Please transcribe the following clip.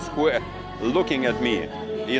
chúc mừng năm mới